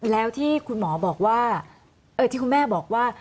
แล้วที่คุณหมอบอกว่าที่คุณแม่บอกว่า